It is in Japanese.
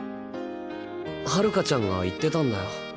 春夏ちゃんが言ってたんだよ。